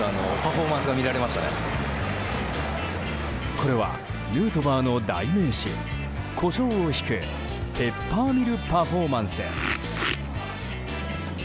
これは、ヌートバーの代名詞コショウをひくペッパーミル・パフォーマンス。